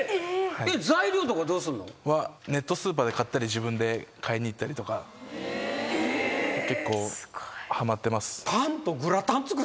ネットスーパーで買ったり自分で買いに行ったりとか結構はまってます。